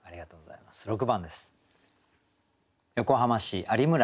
６番です。